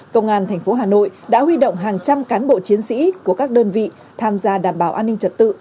công an tp hà nội đã huy động hàng trăm cán bộ chiến sĩ của các đơn vị tham gia đảm bảo an ninh trật tự